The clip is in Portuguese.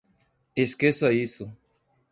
Esqueça isso